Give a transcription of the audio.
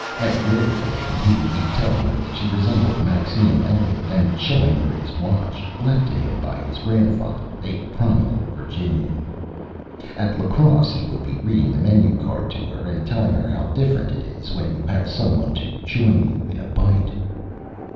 At Red Wing he would be telling her that she resembled Maxine Elliott, and showing her his Watch, left to him by his Grandfather, a Prominent Virginian. [Illustration: FRED AND EUSTACE] At La Crosse he would be reading the Menu Card to her, and telling her how different it is when you have Some One to join you in a Bite.